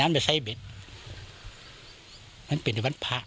นั้นเป็นไส้เบ็ดมันเป็นเป็นวันพลาด